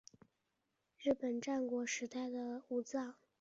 冷泉隆丰是日本战国时代的武将。